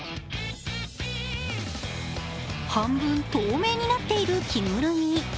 半分透明になっている着ぐるみ。